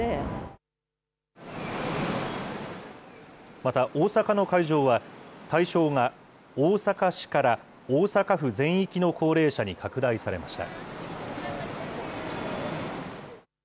また、大阪の会場は、対象が大阪市から大阪府全域の高齢者に拡大されました。